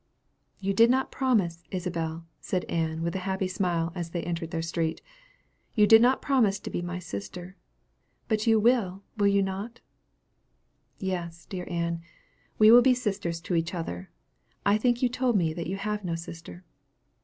"You did not promise, Isabel," said Ann, with a happy smile, as they entered their street, "you did not promise to be my sister; but you will, will you not?" "Yes, dear Ann; we will be sisters to each other. I think you told me that you have no sister."